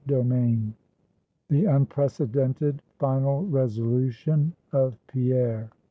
BOOK X. THE UNPRECEDENTED FINAL RESOLUTION OF PIERRE.